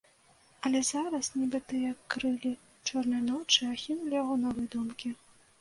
Але зараз, нібы тыя крыллі чорнай ночы, ахінулі яго новыя думкі.